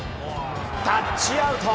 タッチアウト！